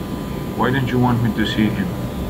Why don't you want me to see him?